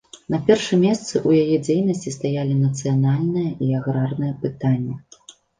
На першым месцы ў яе дзейнасці стаялі нацыянальнае і аграрнае пытанні.